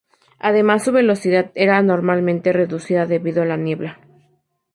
Además, su velocidad era anormalmente reducida debido a la niebla.